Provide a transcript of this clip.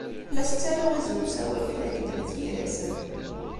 La as-ttaruɣ izen n usawal i Farid n At Yiraten.